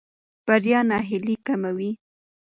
بریا ناهیلي کموي.